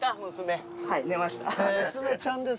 娘ちゃんですか？